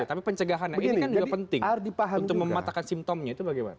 tapi pencegahannya ini kan juga penting untuk mematahkan simptomnya itu bagaimana